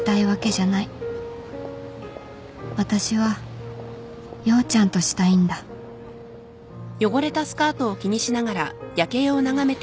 私は陽ちゃんとしたいんだハァ。